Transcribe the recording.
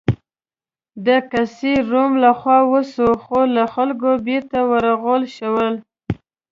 د قیصر روم له خوا وسوه، خو له خلکو بېرته ورغول شوه.